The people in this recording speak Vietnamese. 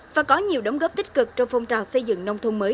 và có nhiều đóng góp tích cực trong phong trào xây dựng nông thôn mới